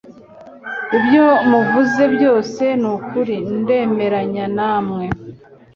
Ibyo muvuze byose nukuri ndemeranya namwe